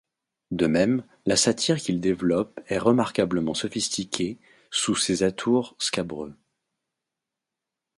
De même, la satire qu'il développe est remarquablement sophistiquée sous ses atours scabreux.